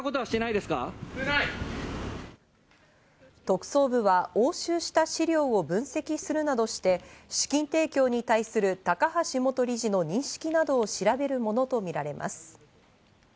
特捜部は押収した資料を分析するなどして、資金提供に対する高橋元理事の認識などを調べるものとみられます。